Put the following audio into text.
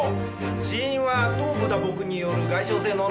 死因は頭部打撲による外傷性脳内出血。